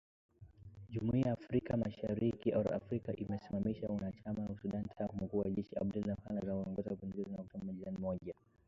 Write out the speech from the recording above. Jumuiya ya Afrika imesimamisha uanachama wa Sudan tangu mkuu wa jeshi Abdel Fattah al-Burhan kuongoza mapinduzi ya Oktoba mwaka wa elfu mbili na ishirini na moja.